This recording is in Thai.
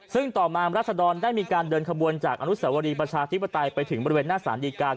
ซึ่งต่อมารัศดรได้มีการเดินขบวนจากอนุสวรีประชาธิปไตยไปถึงบริเวณหน้าสารดีกา